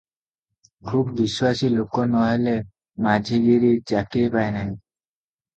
ଖୁବ୍ ବିଶ୍ୱାସୀ ଲୋକ ନ ହେଲେ ମାଝିଗିରି ଚାକିରି ପାଏ ନାହିଁ ।